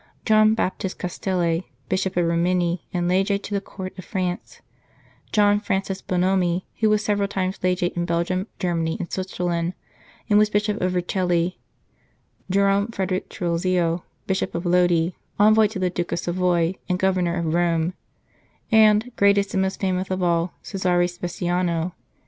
John Baptist Castelle, Bishop of Rimini and Legate to the Court of France; John Francis Bonomi, who was several times Legate in Belgium, Germany, and Switzerland, and was Bishop of Vercelli ; Jerome Frederick Triulzio, Bishop of Lodi, Envoy to the Duke of Savoy, and Governor of Rome ; and, greatest and most famous of all, Cesare Speciano.